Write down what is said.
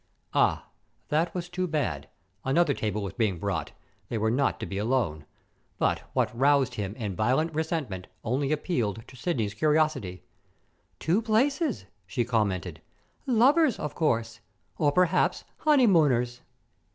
Ah, that was too bad! Another table was being brought; they were not to be alone. But, what roused him in violent resentment only appealed to Sidney's curiosity. "Two places!" she commented. "Lovers, of course. Or perhaps honeymooners."